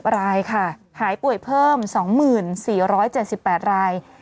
รายค่ะหายป่วยเพิ่ม๒๔๗๘ราย